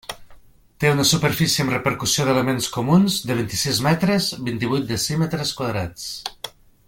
Té una superfície amb repercussió d'elements comuns de vint-i-sis metres, vint-i-vuit decímetres quadrats.